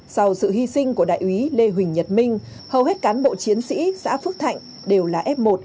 sau sự hy sinh của đại úy lê huỳnh nhật minh hầu hết cán bộ chiến sĩ xã phước thạnh đều là f một